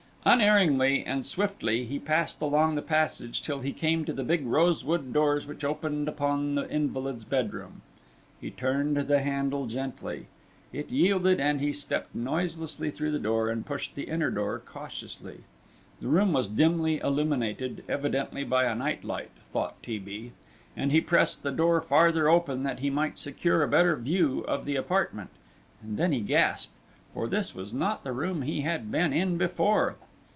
Unerringly and swiftly he passed along the passage till he came to the big rosewood doors which opened upon the invalid's bedroom. He turned the handle gently, it yielded, and he stepped noiselessly through the door, and pushed the inner door cautiously. The room was dimly illuminated, evidently by a night light, thought T. B., and he pressed the door farther open that he might secure a better view of the apartment, and then he gasped, for this was not the room he had been in before.